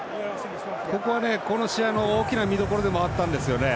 ここは、この試合の大きな見どころでもあったんですよね。